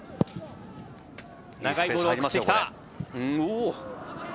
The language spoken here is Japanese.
長いボールを送ってきた。